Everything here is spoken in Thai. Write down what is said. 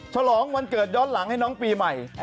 ฉลองวันเกิดย้อนหลังให้น้องปีใหม่